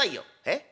「えっ？」。